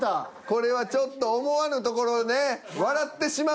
これはちょっと思わぬところで笑ってしまうっていう。